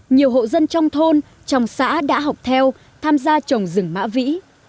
nhiều hộ dân trong thôn trong xã đã học theo tham gia trồng rừng mã ví